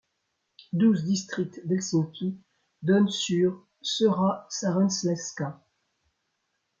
Douze districts d'Helsinki donnent sur Seurasaarenselkä.